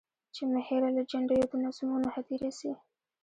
چي مي هېره له جنډیو د نظمونو هدیره سي.